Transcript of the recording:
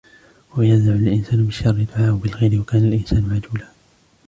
ويدع الإنسان بالشر دعاءه بالخير وكان الإنسان عجولا